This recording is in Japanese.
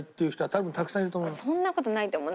そんな事ないと思う。